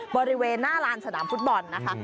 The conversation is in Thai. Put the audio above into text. บริเวณหน้าลานสนามฟุตบอลนะคะ